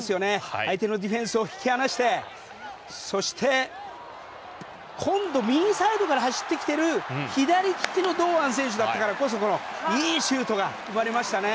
相手のディフェンスを引き離してそして、今度右サイドから走ってきている左利きの堂安選手だったからこそのいいシュートが生まれましたね。